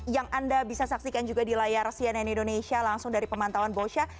yang anda bisa saksikan juga di layar cnn indonesia langsung dari pemantauan bosha